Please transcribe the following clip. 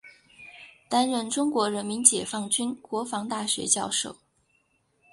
担任中国人民解放军国防大学教授。